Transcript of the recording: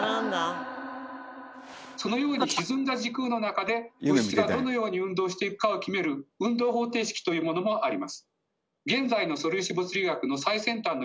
そのようにひずんだ時空の中で物質がどのように運動していくかを決める運動方程式というものがあります。